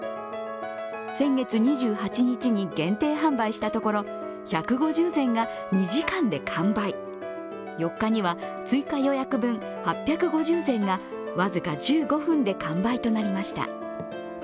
先月２８日に限定販売したところ１５０膳が２時間で完売、４日には追加予約分８５０膳が僅か１５分で完売となりました。